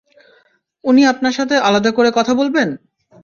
উনি আপনার সাথে আলাদা করে কথা বলবেন!